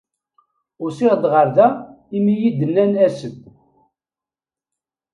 Usiɣ-d ɣer da imi yi-d-nnan as-d.